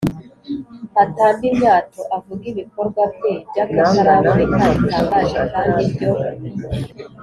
Atambe imyato: avuge ibikorwa bye by’akataraboneka, bitangaje kandi byo